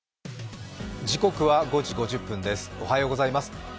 時刻は５時５０分ですおはようございます。